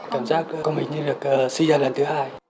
cảm giác con mình như được suy gan lần thứ hai